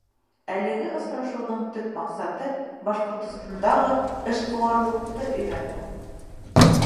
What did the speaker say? Әлеге осрашыуҙың төп маҡсаты — Башҡортостандағы эшҡыуарлыҡты өйрәнеү.